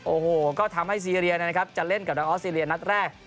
โอ้โหก็ทำให้ซีเรียเนี่ยนะครับจะเล่นกับดังออกซีเรียนนัดแรก